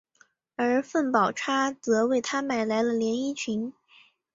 而凤宝钗则为他买来了连衣裙。